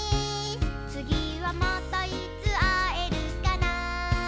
「つぎはまたいつあえるかな」